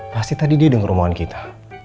pasti tadi dia denger rumohan kita